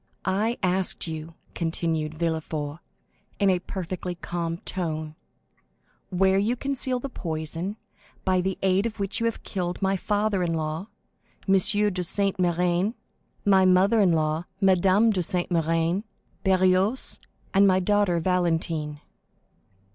"I asked you," continued Villefort, in a perfectly calm tone, "where you conceal the poison by the aid of which you have killed my father in law, M. de Saint Méran, my mother in law, Madame de Saint Méran, Barrois, and my daughter Valentine."